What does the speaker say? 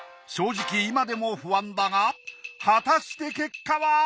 正直今でも不安だが果たして結果は！？